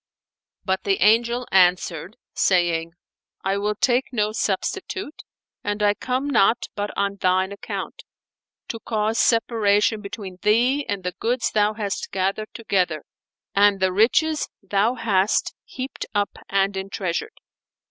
But the Angel answered, saying, "I will take no substitute, and I come not but on thine account, to cause separation between thee and the goods thou hast gathered together and the riches thou hast heaped up and entreasured."